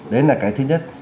đấy là cái thứ nhất